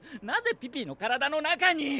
なぜピピの体の中に！